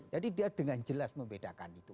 jadi dia dengan jelas membedakan itu